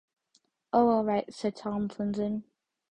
"Oh, all right," said Tomlinson.